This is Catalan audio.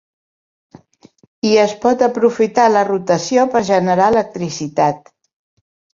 I es pot aprofitar la rotació per generar electricitat.